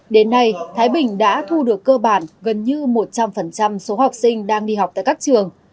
đến nay thái bình đã thu được cơ bản gần như một trăm linh số học sinh đang đi học tại các trường